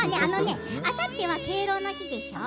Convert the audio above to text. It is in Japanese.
あさっては敬老の日でしょう。